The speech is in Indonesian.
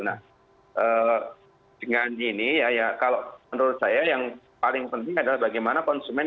nah dengan ini ya kalau menurut saya yang paling penting adalah bagaimana konsumen